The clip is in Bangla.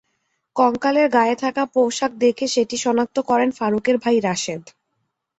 কঙ্কালের গায়ে থাকা পোশাক দেখে সেটি শনাক্ত করেন ফারুকের ভাই রাশেদ।